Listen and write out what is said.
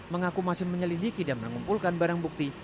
mengaku masih menyelidiki dan mengumpulkan barang bukti